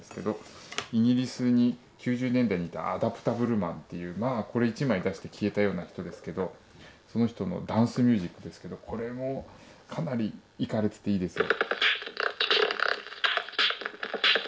イギリスに９０年代にいた「アダプタブルマン」っていうこれ１枚出して消えたような人ですけどその人のダンスミュージックですけどこれもかなりイカれてていいですよ。